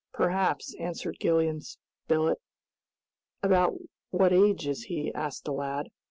"Perhaps," answered Gideon Spilett. "About what age is he?" asked the lad.